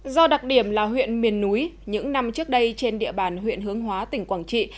do đặc điểm là huyện miền núi những năm trước đây trên địa bàn huyện hướng hóa tỉnh quảng trị